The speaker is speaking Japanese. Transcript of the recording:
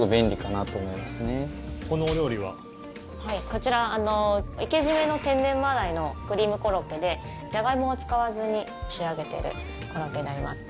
こちら、活締めの天然マダイのクリームコロッケでジャガイモを使わずに仕上げてるコロッケになります。